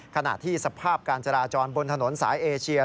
ขณะที่สภาพการจราจรบนถนนสายเอเชีย